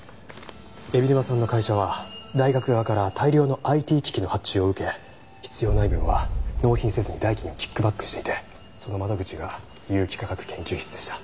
海老沼さんの会社は大学側から大量のＩＴ機器の発注を受け必要ない分は納品せずに代金をキックバックしていてその窓口が有機化学研究室でした。